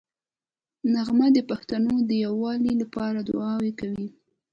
نغمه د پښتنو د یووالي لپاره دوعا کوي